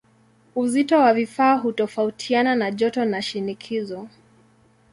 Uzito wa vifaa hutofautiana na joto na shinikizo.